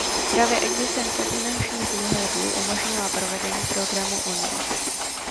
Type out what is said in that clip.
Právě existence finančních výhledů umožnila provedení programů Unie.